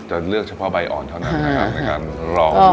จะเลือกเฉพาะใบอ่อนเท่านั้นนะครับ